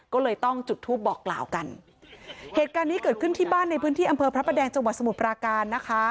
ก็เลยต้องจุดทูปบอกกล่าวกันเหตุการณ์นี้เกิดขึ้นที่บ้านในพื้นที่อำเภอพระประแดงจังหวัดสมุทรปราการนะคะ